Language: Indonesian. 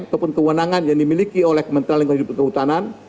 ataupun kewenangan yang dimiliki oleh kementerian lingkungan hidup dan kehutanan